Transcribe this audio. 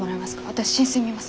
私浸水見ます。